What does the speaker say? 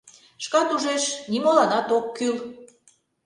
Шкат ужеш: нимоланат ок кӱл.